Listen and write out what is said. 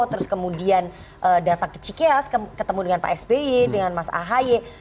terus kemudian datang ke cikeas ketemu dengan pak sby dengan mas ahy